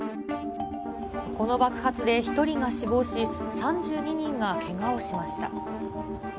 この爆発で１人が死亡し、３２人がけがをしました。